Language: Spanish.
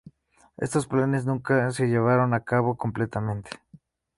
Estos planes nunca se llevaron a cabo completamente.